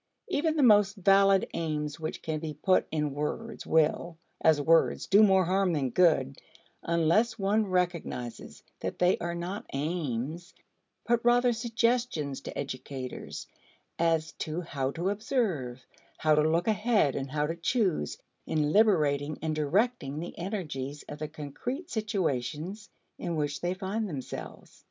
Even the most valid aims which can be put in words will, as words, do more harm than good unless one recognizes that they are not aims, but rather suggestions to educators as to how to observe, how to look ahead, and how to choose in liberating and directing the energies of the concrete situations in which they find themselves.